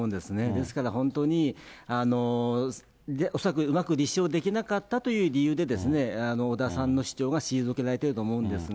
ですから、本当に、恐らくうまく立証できなかったという理由で、織田さんの主張が退けられてると思うんですが。